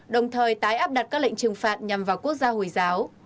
đồng thời tái áp đặt các lệnh trừng phạt nhằm vào quốc gia hồi giáo